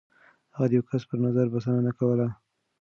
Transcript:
هغه د يو کس پر نظر بسنه نه کوله.